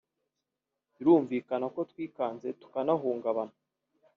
Birumvikana ko twikanze tukanahungabana